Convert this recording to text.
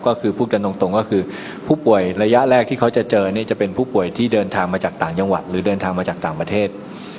ก็คือพูดกันตรงก็คือผู้ป่วยระยะแรกที่เขาจะเจอเนี่ยจะเป็นผู้ป่วยที่เดินทางมาจากต่างจังหวัดหรือเดินทางมาจากต่างประเทศ